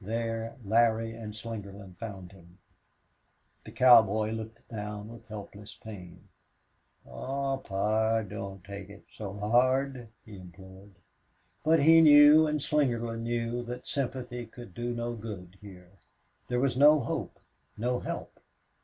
There Larry and Slingerland found him. The cowboy looked down with helpless pain. "Aw, pard don't take it so hard," he implored. But he knew and Slingerland knew that sympathy could do no good here. There was no hope, no help.